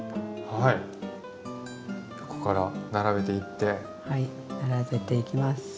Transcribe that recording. はい並べていきます。